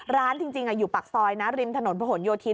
ร้านจริงอยู่ปากซอยนาฬิมถนนโผนโยธิน